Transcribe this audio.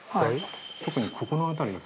特にここの辺りが。